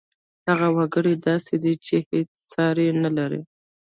دغه وګړی داسې دی چې هېڅ ساری نه لري